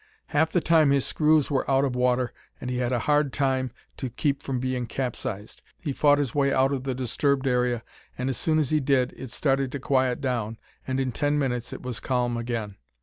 Half the time his screws were out of water and he had a hard time to keep from being capsized. He fought his way out of the disturbed area, and as soon as he did, it started to quiet down, and in ten minutes it was calm again.